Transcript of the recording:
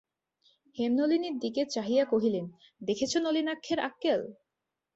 হেমনলিনীর দিকে চাহিয়া কহিলেন, দেখেছ নলিনাক্ষের আক্কেল?